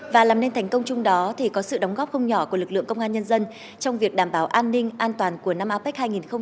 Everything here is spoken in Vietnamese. và làm nên thành công chung đó thì có sự đóng góp không nhỏ của lực lượng công an nhân dân trong việc đảm bảo an ninh an toàn của năm apec hai nghìn hai mươi